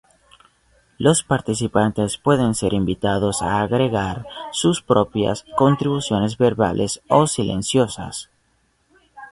Los participantes pueden ser invitados a agregar sus propias contribuciones verbales o silenciosas.